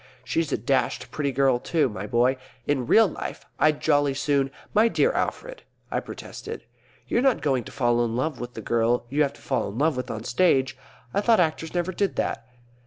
She's a dashed pretty girl too, my boy. In real life I'd jolly soon " "My dear Alfred," I protested, "you're not going to fall in love with the girl you have to fall in love with on the stage? I thought actors never did that."